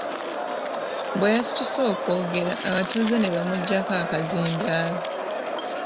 Bwe yasituse okwogera, abatuuze ne bamuggyako akazindaalo.